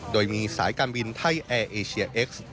โดยมีสายการบินไทยแอร์เอเชียเอ็กซ์